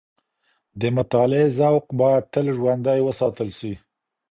د مطالعې ذوق باید تل ژوندی وساتل سي.